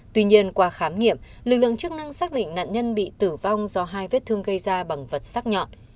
tuy nhiên qua khám nghiệm lực lượng chức năng xác định nạn nhân bị tử vong do hai vết thương gây ra bằng vật xác nhọn